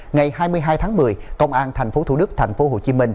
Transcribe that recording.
ngày hai mươi hai tháng một mươi công an tp hcm